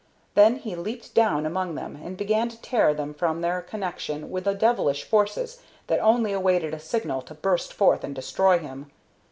Then he leaped down among them and began to tear them from their connection with the devilish forces that only awaited a signal to burst forth and destroy him.